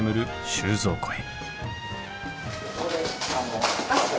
収蔵庫へ。